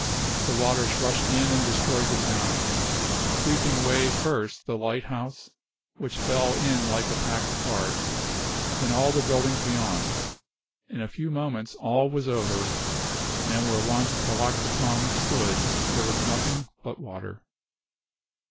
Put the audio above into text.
The waters rushed in and destroyed the town, sweeping away first the light house, which fell in like a pack of cards, then all the buildings beyond. In a few moments all was over, and where once Telok Betong stood there was nothing but water."